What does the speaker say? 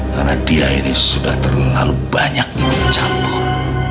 karena dia ini sudah terlalu banyak ingin campur